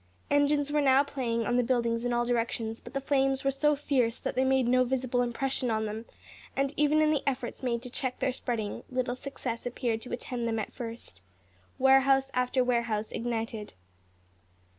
Engines were now playing on the buildings in all directions; but the flames were so fierce that they made no visible impression on them, and even in the efforts made to check their spreading, little success appeared to attend them at first. Warehouse after warehouse ignited.